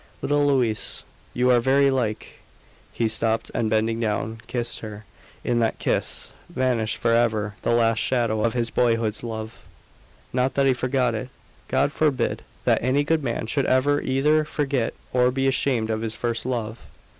"Little Louise, you are very like " He stopped and bending down, kissed her. In that kiss vanished for ever the last shadow of his boyhood's love. Not that he forgot it God forbid that any good man should ever either forget or be ashamed of his first love!